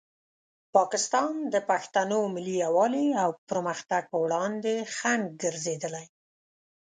پاکستان د پښتنو ملي یووالي او پرمختګ په وړاندې خنډ ګرځېدلی.